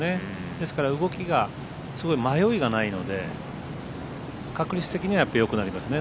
ですから動きがすごい迷いがないので確率的にはよくなりますよね。